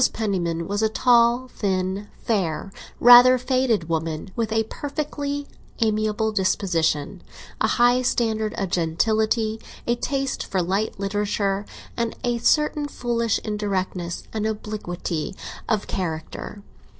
Penniman was a tall, thin, fair, rather faded woman, with a perfectly amiable disposition, a high standard of gentility, a taste for light literature, and a certain foolish indirectness and obliquity of character.